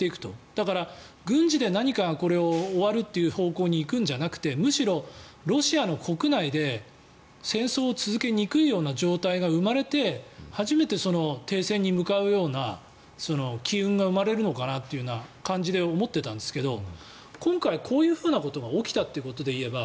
だから、軍事で何か終わるという方向に行くんじゃなくてむしろロシアの国内で戦争を続けにくいような状態が生まれて初めて停戦に向かうような機運が生まれるのかなという感じで思ってたんですけど今回、こういうふうなことが起きたということで言えば